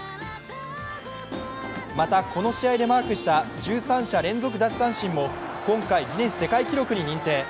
また、この試合でマークした１３者連続奪三振も今回、ギネス世界記録に認定。